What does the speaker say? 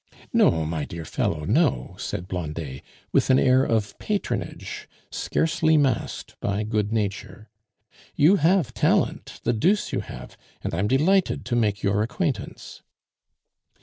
"No, my dear fellow, no," said Blondet, with an air of patronage scarcely masked by good nature. "You have talent, the deuce you have, and I'm delighted to make your acquaintance."